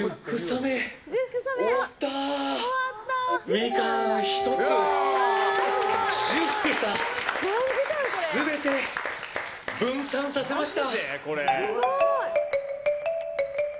ミカン１つ１０房全て分散させました。